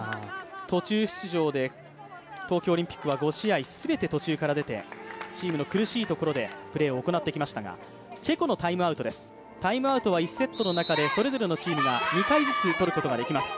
途中出場で東京オリンピックは５試合、全て途中で出てチームの苦しいところでプレーを行ってきましたが、チェコのタイムアウトです、タイムアウトは１セットでそれぞれのチームが２回ずつとることができます。